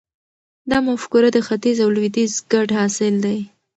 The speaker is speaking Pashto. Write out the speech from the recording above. دا مفکوره د ختیځ او لویدیځ ګډ حاصل دی.